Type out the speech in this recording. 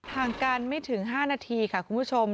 ห่างกันไม่ถึง๕นาทีค่ะคุณผู้ชม